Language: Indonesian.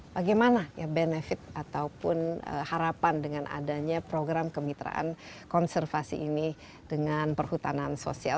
bagaimana ya benefit ataupun harapan dengan adanya program kemitraan konservasi ini dengan perhutanan sosial